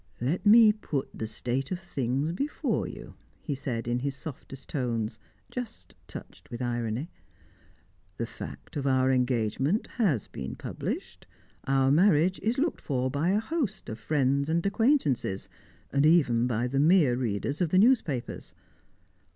"Let me put the state of things before you," he said in his softest tones, just touched with irony. "The fact of our engagement has been published. Our marriage is looked for by a host of friends and acquaintances, and even by the mere readers of the newspapers.